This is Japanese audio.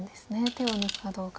手を抜くかどうか。